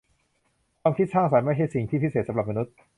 ความคิดสร้างสรรค์ไม่ใช่สิ่งที่พิเศษสำหรับมนุษย์